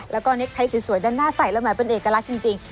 แล้วก็เน็กไทยสวยด้านหน้าใส่แล้วหมายเป็นเอกลักษณ์จริง